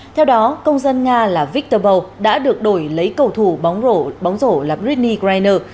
theo đó công dân nga là viktor bo đã được đổi lấy cầu thủ bóng rổ là britney greiner